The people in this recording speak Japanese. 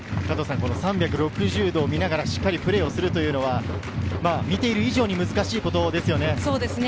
３６０度見ながらしっかりプレーするのは、見ている以上に難しいことですよね。